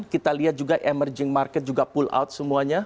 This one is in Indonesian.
kita lihat juga emerging market juga pull out semuanya